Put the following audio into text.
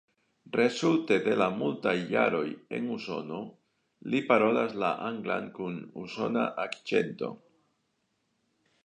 Rezulte de la multaj jaroj en Usono, li parolas la anglan kun usona akĉento.